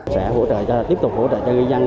sẽ tiếp tục hỗ trợ cho ngư dân